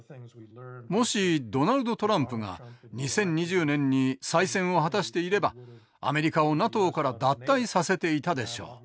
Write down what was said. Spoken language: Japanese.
もしドナルド・トランプが２０２０年に再選を果たしていればアメリカをＮＡＴＯから脱退させていたでしょう。